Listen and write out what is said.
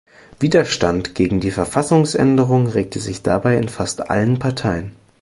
Widerstand gegen die Verfassungsänderung regte sich dabei in fast allen Parteien.